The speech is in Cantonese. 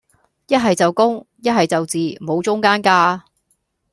一係就公,一係就字,無中間架